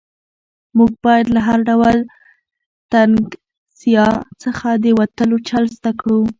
موږ باید له هر ډول تنګسیا څخه د وتلو چل زده کړو.